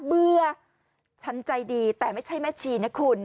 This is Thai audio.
เบื่อฉันใจดีแต่ไม่ใช่แม่ชีนะคุณ